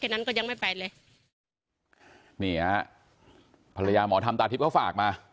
แค่นั้นก็ยังไม่ไปเลยเนี่ยฮะภรรยาหมอทำตาทิบเขาฝากมา